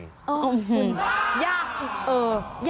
ยากอีก